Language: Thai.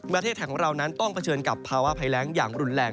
ประเทศไทยของเรานั้นต้องเผชิญกับภาวะภัยแรงอย่างรุนแรง